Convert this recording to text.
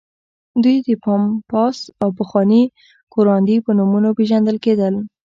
دوی د پامپاس او پخواني کوراندي په نومونو پېژندل کېدل.